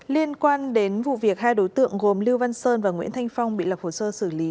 liên quan đến vụ việc hai đối tượng gồm lưu văn sơn và nguyễn thanh phong bị lập hồ sơ xử lý